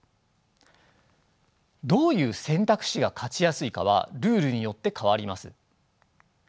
どういう選択肢が勝ちやすいかはルールによって変わります。